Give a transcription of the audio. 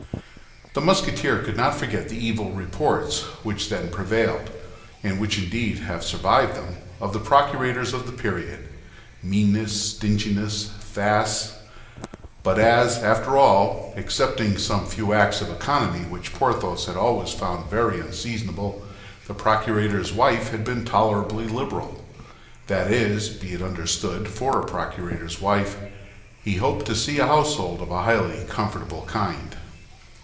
The Musketeer could not forget the evil reports which then prevailed, and which indeed have survived them, of the procurators of the period—meanness, stinginess, fasts; but as, after all, excepting some few acts of economy which Porthos had always found very unseasonable, the procurator's wife had been tolerably liberal—that is, be it understood, for a procurator's wife—he hoped to see a household of a highly comfortable kind.